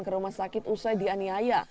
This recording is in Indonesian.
ke rumah sakit usai dianiaya